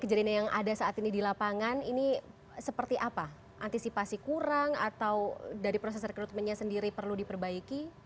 ada yang beberapa orang tidur di